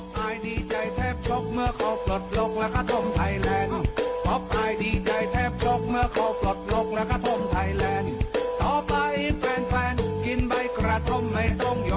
เต้นเนี่ยนะไม่ว่าเลยแต่กลัวอย่างเดียว